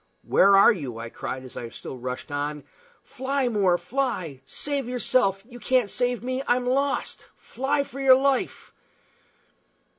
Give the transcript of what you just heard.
"Where are you?" I cried, as I still rushed on. "Fly, More, fly! Save yourself! You can't save me. I'm lost. Fly for your life!"